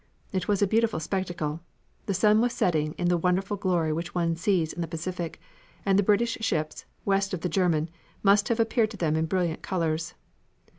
It was a beautiful spectacle. The sun was setting in the wonderful glory which one sees in the Pacific, and the British ships, west of the German, must have appeared to them in brilliant colors.